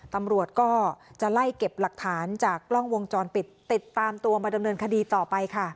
ตำรวจก็จะไล่เก็บหลักฐานจากกล้องวงจรปิดติดตามตัวมาดำเนินคดีต่อไปค่ะ